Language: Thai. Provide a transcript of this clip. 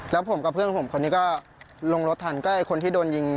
แล้วผมกับเพื่อนผมคนนี้ก็ลงรถทันก็ไอ้คนที่โดนยิง